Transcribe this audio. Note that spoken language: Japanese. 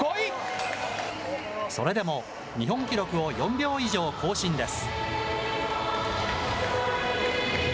それでも、日本記録を４秒以上更新です。